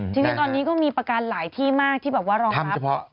ทีนี้ตอนนี้ก็มีประกันหลายที่มากที่แบบว่ารองรับ